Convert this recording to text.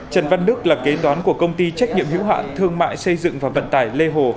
trần văn đức là kế toán của công ty trách nhiệm hữu hạn thương mại xây dựng và vận tải lê hồ